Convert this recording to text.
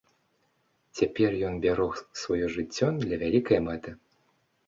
Цяпер ён бярог сваё жыццё для вялікай мэты.